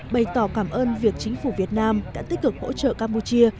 bày tỏ cảm ơn việc chính phủ việt nam đã tích cực hỗ trợ campuchia